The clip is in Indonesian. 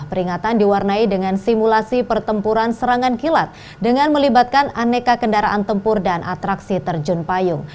peringatan diwarnai dengan simulasi pertempuran serangan kilat dengan melibatkan aneka kendaraan tempur dan atraksi terjun payung